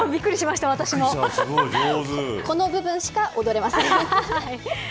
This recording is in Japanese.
この部分しか踊れません。